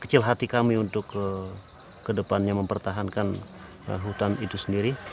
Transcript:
kecil hati kami untuk kedepannya mempertahankan hutan itu sendiri